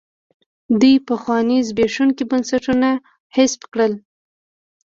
دوی پخواني زبېښونکي بنسټونه حفظ کړل.